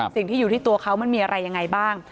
สิ่งที่อยู่ที่ตัวเขามันมีอะไรยังไงบ้าง